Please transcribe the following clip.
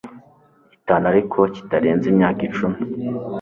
itanu ariko kitarenze imyaka icumi